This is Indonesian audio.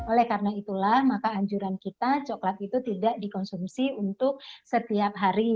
oleh karena itulah maka anjuran kita coklat itu tidak dikonsumsi untuk setiap hari